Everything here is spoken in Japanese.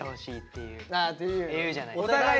言うじゃないですか。